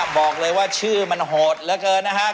บอกเลยว่าชื่อมันโหดเหลือเกินนะครับ